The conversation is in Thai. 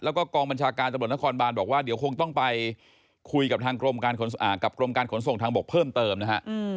แล้วก็กองบัญชาการตำรวจนครบานบอกว่าเดี๋ยวคงต้องไปคุยกับทางกรมการขนส่งทางบกเพิ่มเติมนะฮะ